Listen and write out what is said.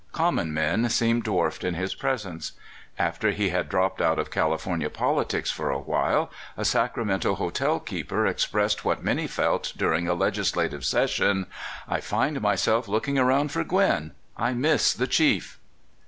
Common men seem dwarfed in his pres ence. After he had dropped out of California politics for awhile, a Sacramento hotel keeper ex pressed what many felt during a legislative session :'* I find m3'self looking around for Gwin. I miss the chief."